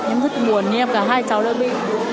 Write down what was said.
em rất buồn nhé cả hai cháu đã bị